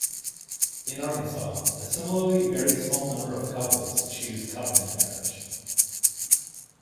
In Arkansas, a similarly very small number of couples choose covenant marriage.